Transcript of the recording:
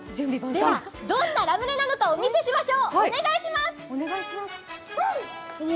では、どんなラムネなのかお見せしましょう、お願いします。